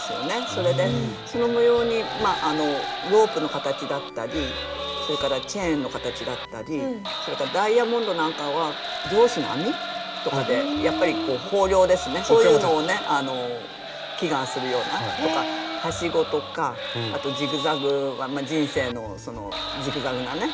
それでその模様にロープの形だったりそれからチェーンの形だったりそれからダイヤモンドなんかは漁師の網とかでやっぱり豊漁ですねそういうのをね祈願するようなとかはしごとかあとジグザグは人生のそのジグザグなね